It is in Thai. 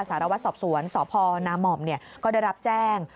สารวัตรสอบสวนสพนาม่อมก็ได้รับแจ้ง